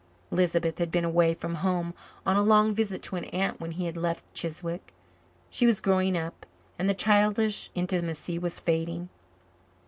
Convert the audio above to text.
Lisbeth had been away from home on a long visit to an aunt when he had left Chiswick. She was growing up and the childish intimacy was fading.